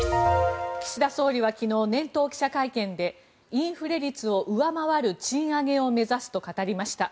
岸田総理は昨日年頭記者会見でインフレ率を上回る賃上げを目指すと語りました。